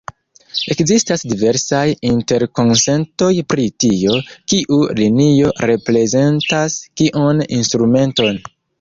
Ekzistas diversaj interkonsentoj pri tio, kiu linio reprezentas kiun instrumenton.